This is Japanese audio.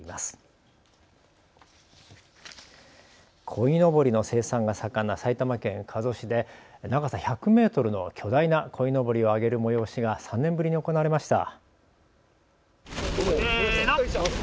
こいのぼりの生産が盛んな埼玉県加須市で長さ１００メートルの巨大なこいのぼりをあげる催しが３年ぶりに行われました。